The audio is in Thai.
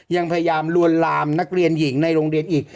ยังพยายามลวนลามนักเรียนหญิงในโรงเรียนอีก